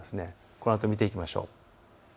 このあと見ていきましょう。